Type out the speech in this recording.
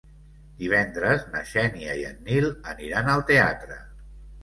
Divendres na Xènia i en Nil aniran al teatre.